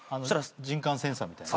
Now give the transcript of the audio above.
人感センサーみたいな。